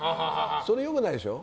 それ良くないでしょ。